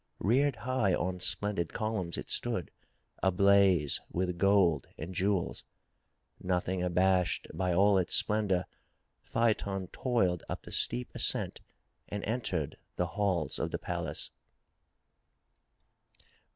Reared high on splendid colunms it stood, ablaze with gold and jewels. Nothing abashed by all its splendor. Phaeton toiled up the steep ascent 268 THROUGH FAIRY HALLS and entered the halls of the palace.